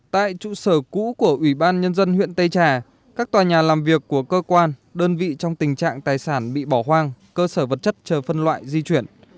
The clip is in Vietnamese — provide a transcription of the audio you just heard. tại trụ sở cũ của ủy ban nhân dân huyện tây trà các tòa nhà làm việc của cơ quan đơn vị trong tình trạng tài sản bị bỏ hoang cơ sở vật chất chờ phân loại di chuyển